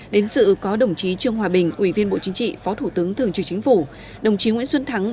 đến sự có đồng chí trương hòa bình ủy viên bộ chính trị phó thủ tướng thường trực chính phủ đồng chí nguyễn xuân thắng